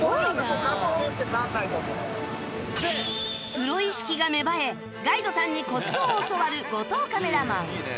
プロ意識が芽生えガイドさんにコツを教わる後藤カメラマン